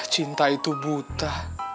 cinta itu buta